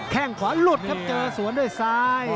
แค่งขวาหลุดครับเจอสวนด้วยซ้าย